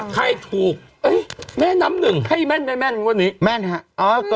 ใครถูกเอ้ยแม่น้ำหนึ่งให้แม่นแม่นแม่นวันนี้แม่นฮะอ๋อ